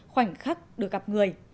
khoảnh khắc được gặp người